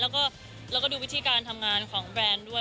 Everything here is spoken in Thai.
แล้วก็ดูวิธีการทำงานของแบรนด์ด้วย